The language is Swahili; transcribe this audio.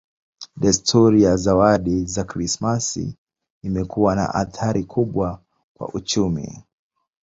Desturi ya zawadi za Krismasi imekuwa na athari kubwa kwa uchumi.